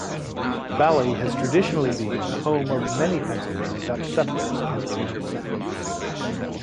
Bally has traditionally been a home of many Pennsylvania Dutch settlers and their descendants.